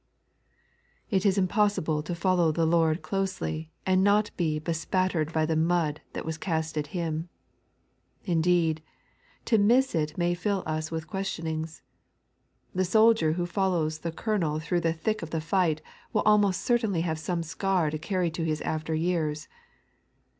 It is impossible to follow the Lord closely, and not be be spattered by the mud that was cast at Him. Indeed, to miss it may fill us with questionings. The soldier who follows the colonel through the thick of the fight will almost certainly have some scar to carry to his after years.